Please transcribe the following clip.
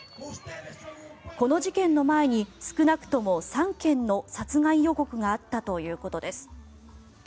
この事件の前に少なくとも３件の殺害予告があったということです。